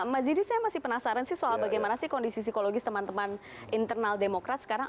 mas didi saya masih penasaran sih soal bagaimana sih kondisi psikologis teman teman internal demokrat sekarang